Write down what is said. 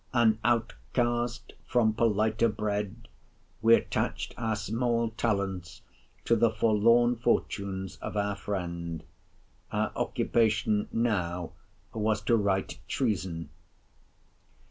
An outcast from politer bread, we attached our small talents to the forlorn fortunes of our friend. Our occupation now was to write treason.